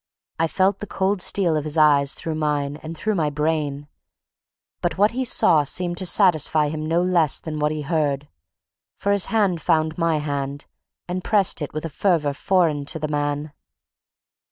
I felt the cold steel of his eyes through mine and through my brain. But what he saw seemed to satisfy him no less than what he heard, for his hand found my hand, and pressed it with a fervor foreign to the man.